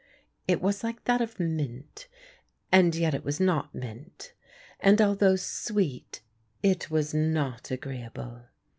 It was like that of mint, and yet it was not mint; and although sweet it was not agreeable.